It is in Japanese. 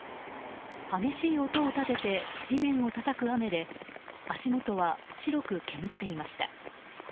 激しい音を立てて地面をたたく雨で足元は白く煙っていました。